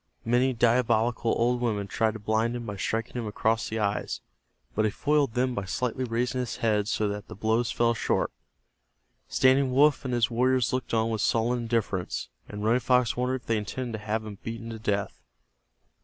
Many diabolical old women tried to blind him by striking him across the eyes, but he foiled them by slightly raising his head so that the blows fell short. Standing Wolf and his warriors looked on with sullen indifference, and Running Fox wondered if they intended to have him beaten to death.